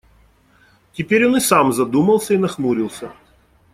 Теперь он и сам задумался и нахмурился.